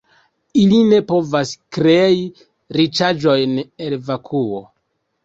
Ili ne povas krei riĉaĵojn el vakuo.